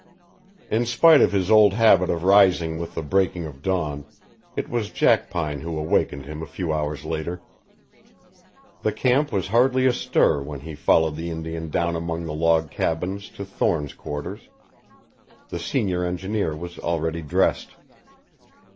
In spite of his old habit of rising with the breaking of dawn it was Jackpine who awakened him a few hours later. The camp was hardly astir when he followed the Indian down among the log cabins to Thorne's quarters. The senior engineer was already dressed.